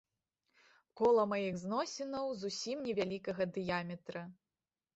Кола маіх зносінаў зусім невялікага дыяметра.